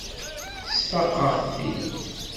Sfaqeɣ-t-id.